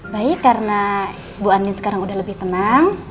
baik karena ibu ani sekarang udah lebih tenang